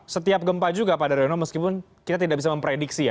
setiap gempa juga pak daryono meskipun kita tidak bisa memprediksi ya